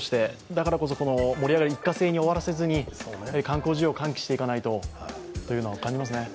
だからこそ、盛り上がりが一過性に終わらせずに観光需要を喚起していかないとと感じますね。